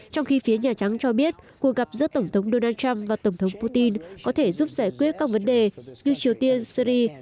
trong khi phía nhà trắng cho biết cuộc gặp giữa tổng thống donald trump và tổng thống putin có thể giúp giải quyết các vấn đề như triều tiên syri